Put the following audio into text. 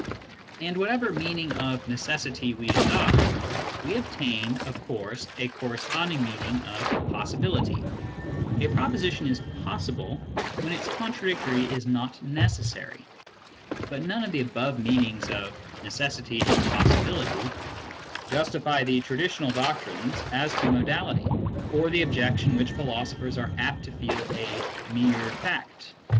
And whatever mean ing of " necessity " we adopt, we obtain, of course, a corresponding meaning of " possibility ": a proposition is possible when its con tradictory is not necessary. But none of the above meanings of necessity and possibility justify the traditional doctrines as to modality, or the objection which philosophers are apt to feel to a "mere fact